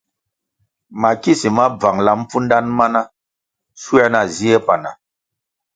Mikisi ma bvangʼla mpfudanʼ mana shuē na zie panah.